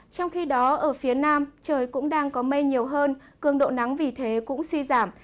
trong khi đó ở phía nam trời cũng đang có mây nhiều hơn cường độ nắng vì thế cũng suy giảm